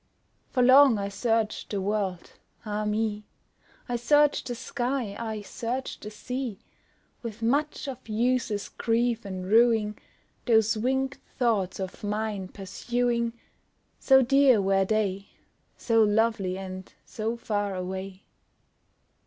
For long I searched the world ah, me! I searched the sky, I searched the sea, With much of useless grief and rueing Those winged thoughts of mine pursuing So dear were they, So lovely and so far away!